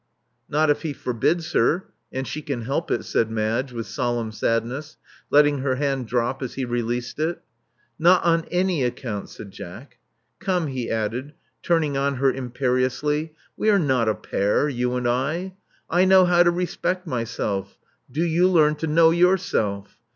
Not if he forbids her — and she can help it," said Madge with solemn sadness, letting her hand drop as he released it. Not on any account," said Jack. ComcJ," he added, turning on her imperiously: we are not a pair, you and I. I know how to respect myself: do you learn to know yourself.